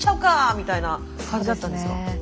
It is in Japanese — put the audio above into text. みたいな感じだったんですか？